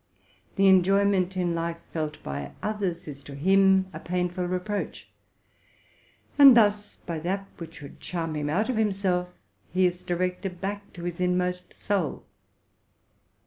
The enjoyment in life felt by others is to him a painful reproach ; and thus, by that which should charm him out of himself, he is directed back to his inmost soul.